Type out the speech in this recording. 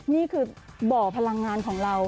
นี่คือบ่อพลังงานของเรา